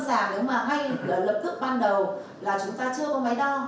thế còn về tương tác lâm sàng nếu mà ngay lập tức ban đầu là chúng ta chưa có máy đo